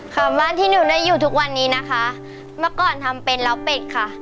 ค่ะบ้านที่หนูได้อยู่ทุกวันนี้นะคะเมื่อก่อนทำเป็นล้าวเป็ดค่ะ